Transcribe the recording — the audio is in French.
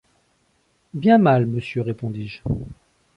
Bien mal, monsieur, répondis-je.